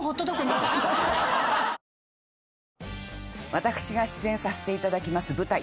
私が出演させていただきます舞台